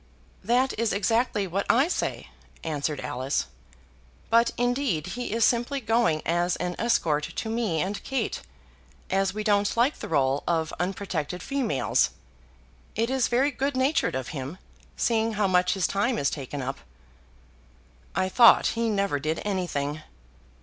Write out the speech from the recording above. "That is exactly what I say," answered Alice. "But, indeed, he is simply going as an escort to me and Kate, as we don't like the rôle of unprotected females. It is very good natured of him, seeing how much his time is taken up." "I thought he never did anything."